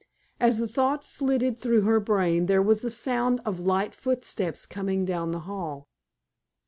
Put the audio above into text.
As the thought flitted through her brain, there was the sound of light footsteps coming down the hall.